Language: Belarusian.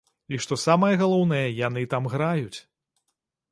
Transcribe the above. І што самае галоўнае, яны там граюць!